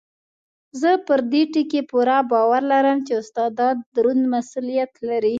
زه پر دې ټکي پوره باور لرم چې استادان دروند مسؤلیت لري.